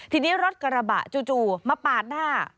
ทีนี้รถกระบะจู่มาปาดหน้า